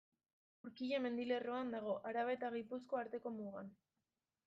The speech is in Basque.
Urkilla mendilerroan dago, Araba eta Gipuzkoa arteko mugan.